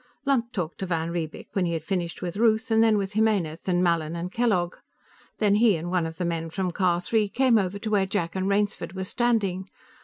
Lunt talked to van Riebeek when he had finished with Ruth, and then with Jimenez and Mallin and Kellogg. Then he and one of the men from Car Three came over to where Jack and Rainsford were standing.